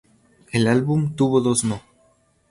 El álbum tuvo dos No.